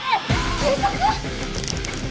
警察！？